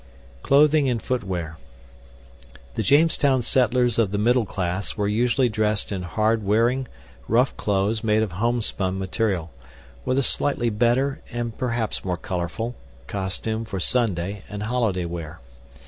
Clothing and Footwear The Jamestown settlers of the middle class were usually dressed in hard wearing, rough clothes made of homespun material, with a slightly better (and perhaps more colorful) costume for Sunday and holiday wear.